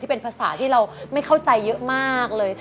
เป็นภาษาที่เราไม่เข้าใจเยอะมากเลย